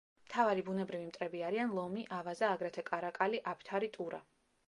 მთავარი ბუნებრივი მტრები არიან: ლომი, ავაზა, აგრეთვე კარაკალი, აფთარი, ტურა.